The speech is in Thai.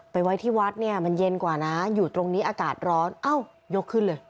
ไว้ที่วัดเนี่ยมันเย็นกว่านะอยู่ตรงนี้อากาศร้อนอ้าวยกขึ้นเลย